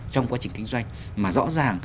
trong quá trình kinh doanh mà rõ ràng